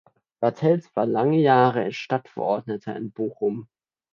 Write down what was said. Bartels war lange Jahre Stadtverordneter in Bochum.